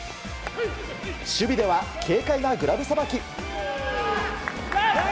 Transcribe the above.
守備では軽快なグラブさばき。